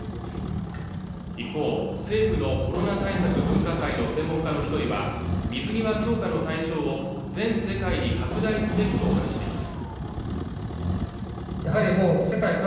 一方政府のコロナ対策分科会の専門家の一人は水際強化の対象を全世界に拡大すべきと話しています